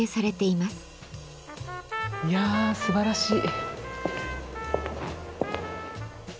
いやすばらしい。